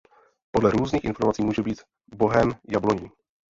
Podle různých informací může být bohem jabloní.